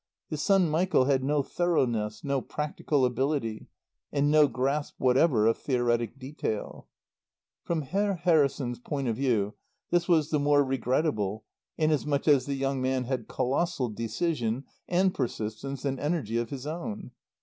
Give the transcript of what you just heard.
His son Michael had no thoroughness, no practical ability, and no grasp whatever of theoretic detail. From Herr Harrison's point of view this was the more regrettable inasmuch as the young man had colossal decision and persistence and energy of his own.